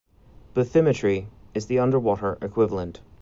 Bathymetry is the underwater equivalent.